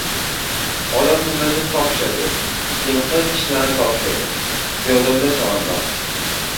— Odam so‘zlashib topishadi, yilqi kishnashib topishadi, Ziyodulla chavandoz!